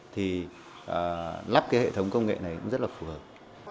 thì lắp cái hệ thống công nghệ này cũng rất là phù hợp